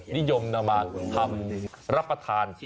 นิยมทำรับประทาน